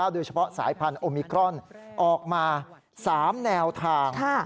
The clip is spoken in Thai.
โดยเฉพาะสายพันธุมิครอนออกมา๓แนวทาง